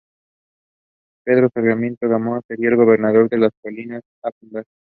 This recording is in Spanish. Pedro Sarmiento de Gamboa sería el gobernador de las colonias a fundar.